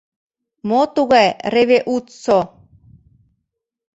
Мо тугай реве-уц-цо?